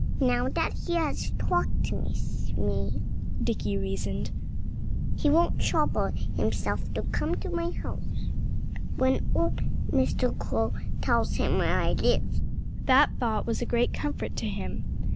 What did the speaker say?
"Now that he has talked with me," Dickie reasoned, "he won't trouble himself to come to my house when old Mr. Crow tells him where I live." That thought was a great comfort to him.